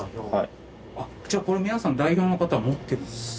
じゃあこれ皆さん代表の方は持ってるんですね？